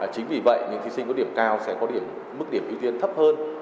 chính vì vậy những thí sinh có điểm cao sẽ có mức điểm ưu tiên thấp hơn